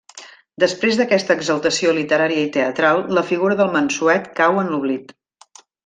Després d'aquesta exaltació literària i teatral, la figura del Mansuet cau en l'oblit.